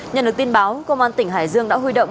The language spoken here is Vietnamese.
nhận được tin báo công an tỉnh hải dương đã huy động